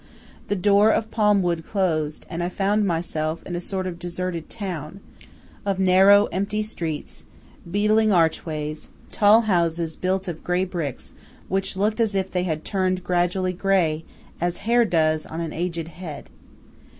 The door of palm wood closed, and I found myself in a sort of deserted town, of narrow, empty streets, beetling archways, tall houses built of grey bricks, which looked as if they had turned gradually grey, as hair does on an aged head.